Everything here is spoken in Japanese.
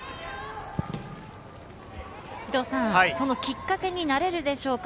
きっかけになれるでしょうか？